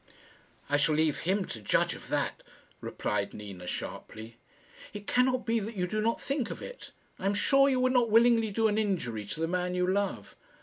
"I shall leave him to judge of that," replied Nina, sharply. "It cannot be that you do not think of it. I am sure you would not willingly do an injury to the man you love."